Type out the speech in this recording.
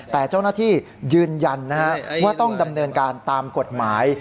แต่เจ้าหน้าที่ยืนยันว่าต้องดำเนินการตามกฎหมาย